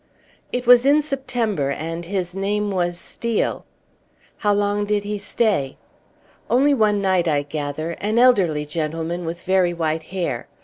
"It was in September, and his name was Steel." "How long did he stay?" "Only one night, I gather an elderly gentleman with very white hair."